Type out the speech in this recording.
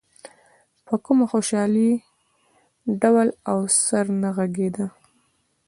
په کومه خوشالۍ ډول او سرنا غږېده.